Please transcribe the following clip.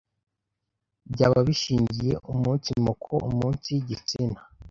byaba bishingiye umunsi moko, umunsi gitsina,